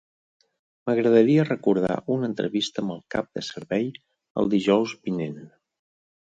M'agradaria recordar una entrevista amb el cap de servei el dijous vinent.